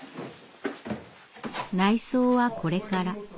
内装はこれから。